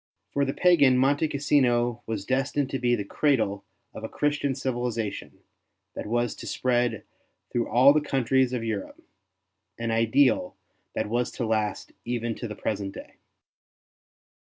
For the pagan Monte Cassino was destined to be the cradle of a Christian civilization that was to. spread through all the countries of Europe — an ideal that was to last even to the present day.